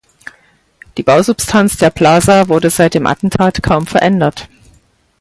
Die Bausubstanz der Plaza wurde seit dem Attentat kaum verändert.